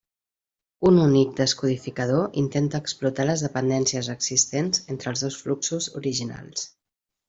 Un únic descodificador intenta explotar les dependències existents entre els dos fluxos originals.